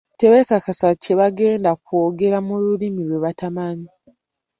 Tebeekakasa kye bagenda kwogera mu lulimi lwe batamanyi.